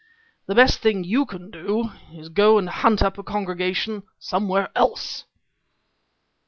The best thing you can do is to go and hunt up a congregation somewhere else."